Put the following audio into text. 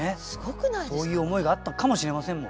そういう思いがあったかもしれませんもんね。